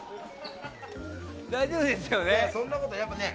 大丈夫ですよね。